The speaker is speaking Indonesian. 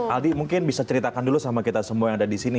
aldi mungkin bisa ceritakan dulu sama kita semua yang ada di sini